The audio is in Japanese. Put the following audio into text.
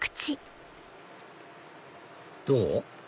どう？